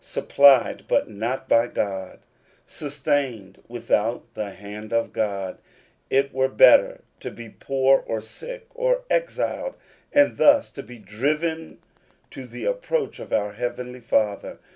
Supplied, but not by God ! Sustained without the hand of God ! It were better to be poor, or sick, or exiled, and thus to be driven to approach our heavenly Father.